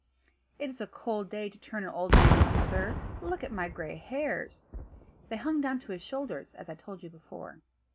"It is a cold day to turn an old man out in, sir; look at my gray hairs." They hung down to his shoulders, as I told you before.